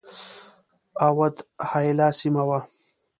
اَوَد حایله سیمه وه.